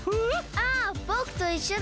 あっぼくといっしょだ！